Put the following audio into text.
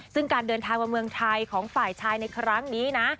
ซึ่งการเดินทางมาเมืองไทยของฝ่ายชายในครั้งนี้นะ